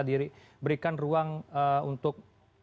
diberikan ruang untuk